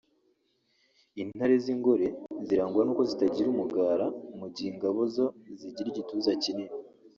Intare z’ ingore zirangwa n’ uko zitagira umugara mu gihe ingabo zo zigira igituza kinini